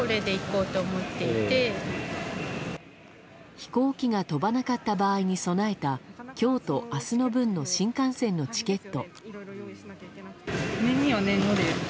飛行機が飛ばなかった場合に備えた今日と明日の分の新幹線のチケット。